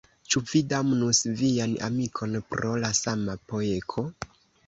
Ĉu vi damnus vian amikon pro la sama peko?